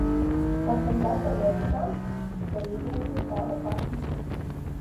Esam gatavi arī tam, ka rītdiena būs tāda pati.